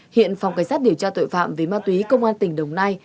hiện phòng cảnh sát điều tra tội phạm về ma túy công an tỉnh đồng nai